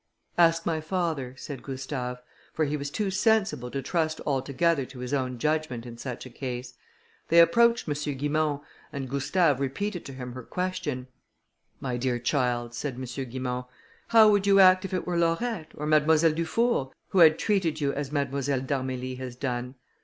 "Ask my father," said Gustave; for he was too sensible to trust altogether to his own judgment in such a case. They approached M. Guimont, and Gustave repeated to him her question. "My dear child," said M. Guimont, "how would you act if it were Laurette, or Mademoiselle Dufour, who had treated you as Mademoiselle d'Armilly has done?